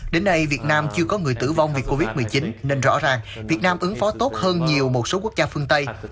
đến nay việt nam chưa có người tử vong vì covid một mươi chín nên rõ ràng việt nam ứng phó tốt hơn nhiều một số quốc gia phương tây